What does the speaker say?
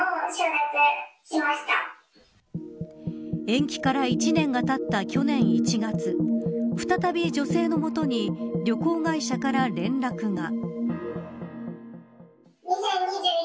延期から１年がたった去年１月再び女性の元に旅行会社から連絡が。